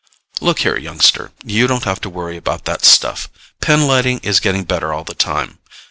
"Look here, youngster. You don't have to worry about that stuff. Pinlighting is getting better all the time.